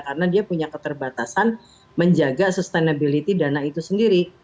karena dia punya keterbatasan menjaga sustainability dana itu sendiri